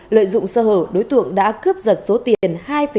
lợi dụng sơ hở đối tượng đã cướp giật số tiền